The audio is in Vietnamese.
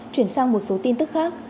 chuyển sang một số tin tức khác